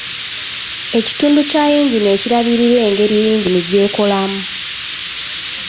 Ekitundu kya yingini ekirabirira engeri yingini gyekolamu.